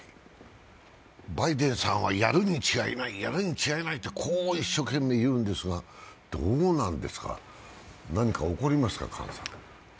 バイデンさんはやるに違いない、やるに違いないと一生懸命言うんですがどうなんですか、何か起こりますか？